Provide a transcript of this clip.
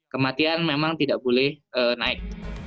kematian memang tidak boleh naik